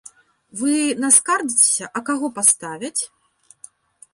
Вы наскардзіцеся, а каго паставяць?